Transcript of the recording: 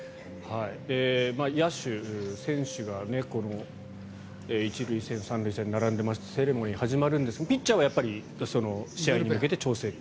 野手、選手が１塁線、３塁線に並んでセレモニー始まりますがピッチャーはやっぱり試合に向けて調整と。